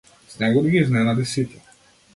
Снегот ги изненади сите.